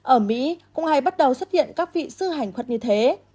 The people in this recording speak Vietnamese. ở mỹ cũng hay bắt đầu xuất hiện các vị sư hành khuất như thế